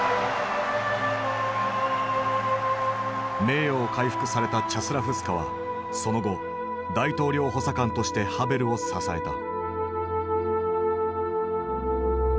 名誉を回復されたチャスラフスカはその後大統領補佐官としてハヴェルを支えた。